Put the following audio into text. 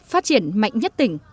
phát triển mạnh nhất tỉnh